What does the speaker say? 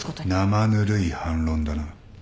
生ぬるい反論だな。